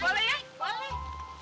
boleh ya boleh